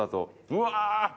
うわ！